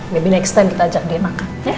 baby next time kita ajak dia makan